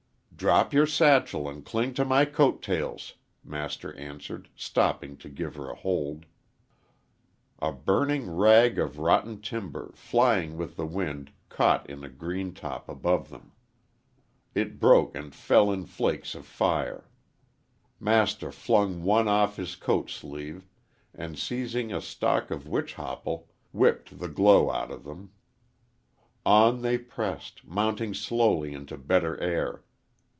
"Drop your satchel and cling to my coat tails," Master answered, stopping to give her a hold. A burning rag of rotten timber, flying with the wind, caught in a green top above them. It broke and fell in flakes of fire. Master flung one off his coat sleeve, and, seizing a stalk of witch hopple, whipped the glow out of them. On they pressed, mounting slowly into better air.